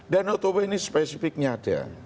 dan otobah ini spesifiknya ada